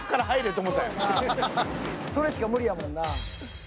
それしか無理やもんな。